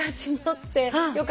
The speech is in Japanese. って。